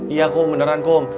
iya kum beneran kum